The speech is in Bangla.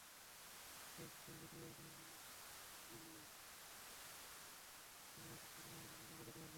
সেই কুপন দেখিয়ে হাজিরা তাঁদের নামে দেওয়া কোরবানির মাংস চাইলে দেখতে পারবেন।